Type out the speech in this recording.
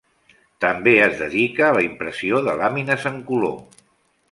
També es dedica a la impressió de làmines en color.